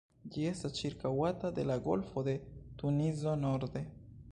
Ĝi estas ĉirkaŭata de la Golfo de Tunizo norde.